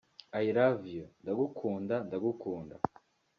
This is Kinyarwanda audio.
I love you (ndagukunda ndagukunda)